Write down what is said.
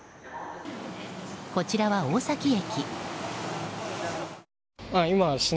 こちらは大崎駅。